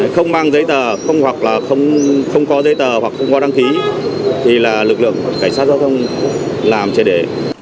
không mang giấy tờ không hoặc là không có giấy tờ hoặc không có đăng ký thì là lực lượng cảnh sát giao thông làm trên để